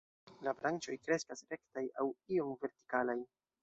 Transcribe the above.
La branĉoj kreskas rektaj aŭ iom vertikalaj.